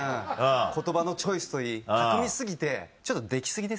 言葉のチョイスといい巧み過ぎてちょっと出来過ぎですよ。